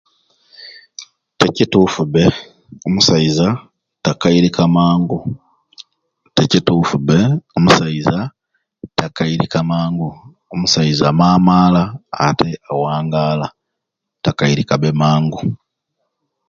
Tekitiffu bbe omusaiza takairika mangu tekituffu bbe omusaiza takairika mangu omusaiza amamala ate awangala takairikabbe mangu.